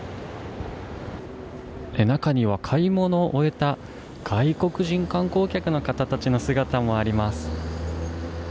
中には、買い物を終えた外国人観光客の方たちの姿もあります。